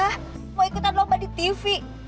ah mau ikutan lomba di tv